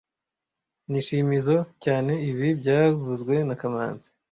Nishimizoe cyane ibi byavuzwe na kamanzi